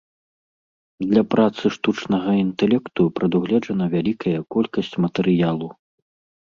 Для працы штучнага інтэлекту прадугледжана вялікая колькасць матэрыялу.